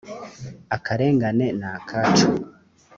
akarengane na kacu